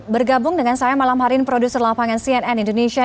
bergabung dengan saya malam hari ini produser lapangan cnn indonesia